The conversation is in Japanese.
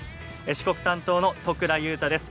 四国担当の都倉悠太です。